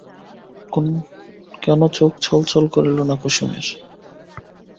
কেন চোখ ছলছল করিল না কুসুমের?